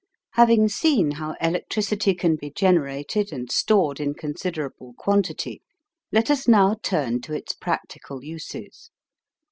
Having seen how electricity can be generated and stored in considerable quantity, let us now turn to its practical uses.